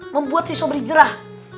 membuat si sobri jerah